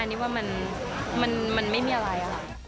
อันนี้ว่ามันไม่มีอะไรค่ะ